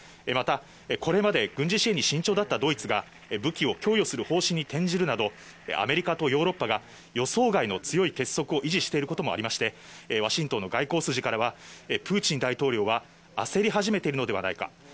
また、これまで軍事支援に慎重だったドイツが、武器を供与する方針に転じるなど、アメリカとヨーロッパが予想外の強い結束を維持していることもありまして、ワシントンの外交筋からは、プーチン大統領は焦り始めているのではないか。